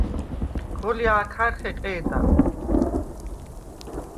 ღოლჲა̄ქარ ხეყე̄და.